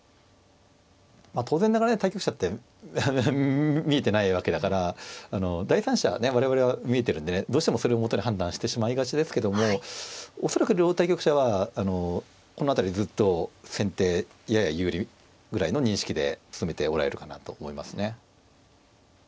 まあ当然ながらね対局者って見えてないわけだから第三者はね我々は見えてるんでねどうしてもそれを基に判断してしまいがちですけども恐らく両対局者はこの辺りずっと先手やや有利ぐらいの認識で進めておられるかなと思いますね。